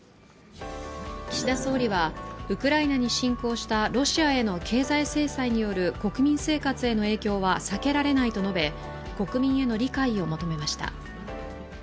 岸田総理はウクライナに侵攻したロシアへの経済制裁による国民生活への影響は避けられないと述べ、国民への理解を求めました。